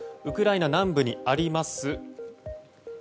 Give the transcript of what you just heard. ウクライナ南部にあります